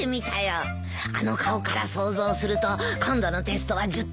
あの顔から想像すると今度のテストは１０点。